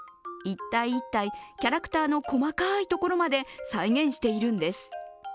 １体１体、キャラクターの細かいところまで再現しているんです。